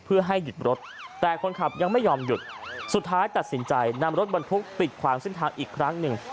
เพื่อให้หยุดรถแต่คนขับยังไม่ยอมหยุดสุดท้ายตัดสินใจนำรถบรรทุกปิดขวางเส้นทางอีกครั้งหนึ่ง